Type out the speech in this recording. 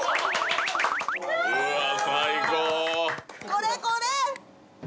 これこれ！